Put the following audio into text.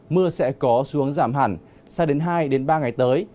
mưa sẽ có xuống giảm hẳn sang đến hai ba ngày tới